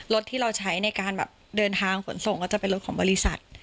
รถที่เราใช้ในการแบบเดินทางขนส่งก็จะเป็นรถของบริษัท